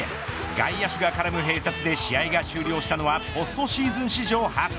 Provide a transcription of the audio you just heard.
外野手が絡む併殺で試合が終了したのはポストシーズン史上初。